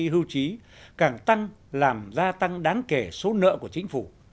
hưu trí càng tăng làm gia tăng đáng kể số nợ của chính phủ